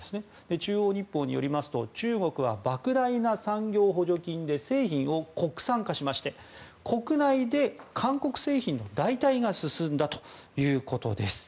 中央日報によりますと中国は、ばく大な産業補助金で製品を国産化しまして国内で韓国製品の代替が進んだということです。